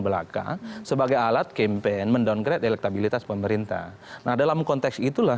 belaka sebagai alat campaign mendowngrade elektabilitas pemerintah nah dalam konteks itulah